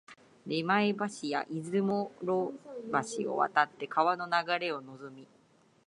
出町橋や出雲路橋を渡って川の流れをのぞみ、